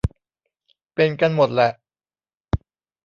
เป็นกันหมดแหละ